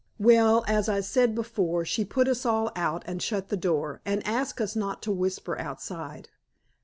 Well, as I said before, she put us all out, and shut the door, and asked us not to whisper outside.